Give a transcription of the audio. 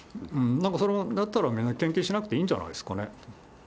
なんかそれも、だったらみんな献金しなくていいんじゃないんですかね。